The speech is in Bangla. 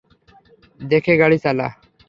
দেখে গাড়ি চালা!